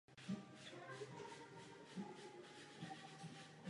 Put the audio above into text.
Na východě sousedí s okresy v kantonu Curych.